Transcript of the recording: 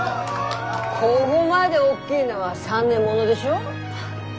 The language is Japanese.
こごまで大きいのは３年ものでしょ？